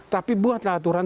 tapi buatlah aturan